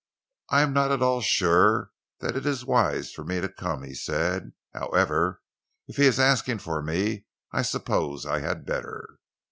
"I am not at all sure that it is wise of me to come," he said. "However, if he is asking for me I suppose I had better."